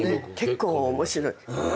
結構面白い。